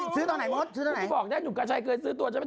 ซื้อตัวไหนมดซื้อตัวไหน